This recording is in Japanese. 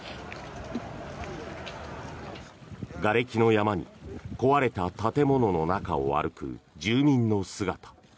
がれきの山に壊れた建物の中を歩く住民の姿。